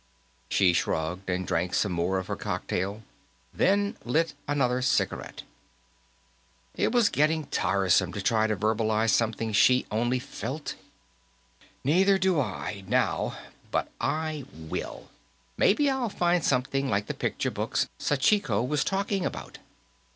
She shrugged and drank some more of her cocktail, then lit another cigarette. It was getting tiresome to try to verbalize something she only felt. "Neither do I, now, but I will. Maybe I'll find something like the picture books Sachiko was talking about.